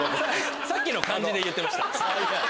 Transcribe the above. さっきの感じで言ってました。